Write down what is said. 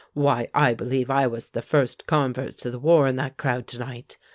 Why, I believe I was the first convert to the war in that crowd to night!